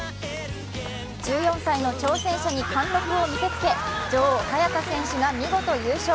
１４歳の挑戦者に貫禄を見せつけ女王・早田選手が見事優勝。